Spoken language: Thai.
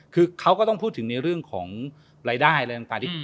คือเค้าก็ต้องพูดถึงในเรื่องของรายได้